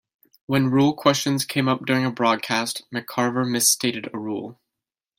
When rule questions came up during a broadcast, McCarver misstated a rule.